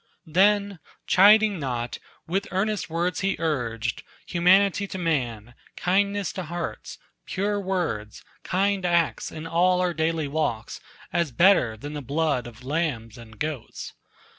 Then, chiding not, with earnest words he urged Humanity to man, kindness to beasts, Pure words, kind acts, in all our daily walks. As better than the blood of lambs and goats.